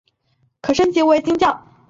可升级成为金将。